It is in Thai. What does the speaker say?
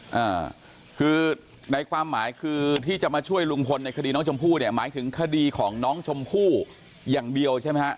อ่าคือในความหมายคือที่จะมาช่วยลุงพลในคดีน้องชมพู่เนี่ยหมายถึงคดีของน้องชมพู่อย่างเดียวใช่ไหมฮะ